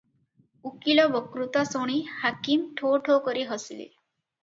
ଉକୀଲ ବକ୍ତୃତା ଶୁଣି ହାକିମ ଠୋ ଠୋ କରି ହସିଲେ ।